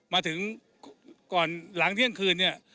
มาถึงก่อนหลังเที่ยงคืนเนี่ย